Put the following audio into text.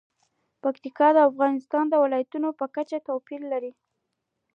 پکتیکا د افغانستان د ولایاتو په کچه توپیر لري.